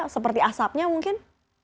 seperti asapnya mungkin